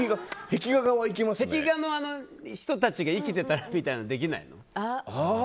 壁画の人たちが生きていたらみたいなのできない？